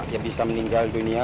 ya bisa meninggal dunia